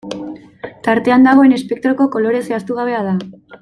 Tartean dagoen espektroko kolore zehaztu gabea da.